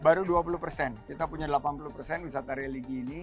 baru dua puluh persen kita punya delapan puluh persen wisata religi ini